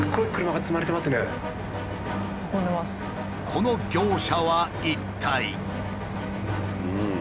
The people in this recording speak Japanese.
この業者は一体。